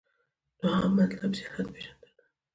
دوهم مطلب : سیاست پیژندنه